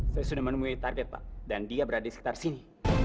saya sudah menemui target pak dan dia berada di sekitar sini